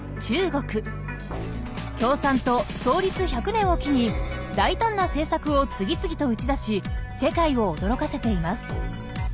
共産党創立１００年を機に大胆な政策を次々と打ち出し世界を驚かせています。